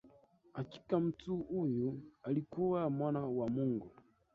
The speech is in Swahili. Hakika mtu huyu alikuwa Mwana wa Mungu